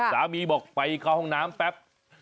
สามีบอกไปเข้าห้องน้ำแปป